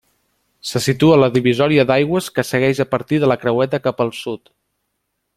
Se situa a la divisòria d'aigües que segueix a partir de la Creueta cap al sud.